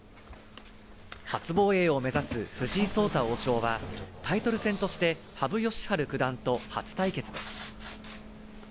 初防衛を目指す藤井聡太王将はタイトル戦として羽生善治九段と初対決です。